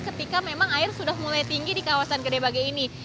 ketika memang air sudah mulai tinggi di kawasan gede bage ini